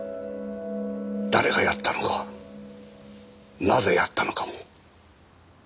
誰がやったのかなぜやったのかも。